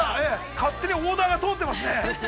◆勝手にオーダーが通ってますね。